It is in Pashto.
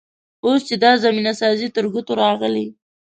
اوس چې دا زمینه سازي تر ګوتو راغلې.